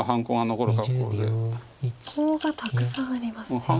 コウがたくさんありますね。